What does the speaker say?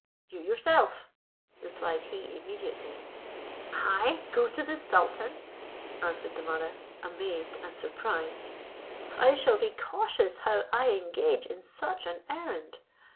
"You yourself," replied he immediately. "I go to the sultan!" answered the mother, amazed and surprised. "I shall be cautious how I engage in such an errand.